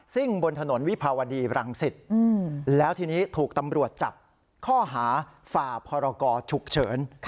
่งบนถนนวิภาวดีรังสิตแล้วทีนี้ถูกตำรวจจับข้อหาฝ่าพรกรฉุกเฉิน